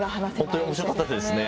本当におもしろかったですね。